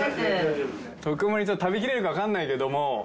食べきれるか分かんないけども。